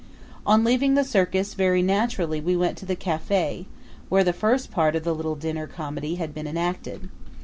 On leaving the circus, very naturally we went to the cafe where the first part of the little dinner comedy had been enacted.